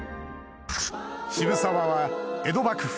渋沢は江戸幕府